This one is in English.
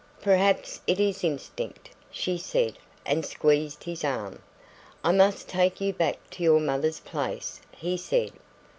"Perhaps it is instinct," she said, and squeezed his arm. "I must take you back to your mother's place," he said.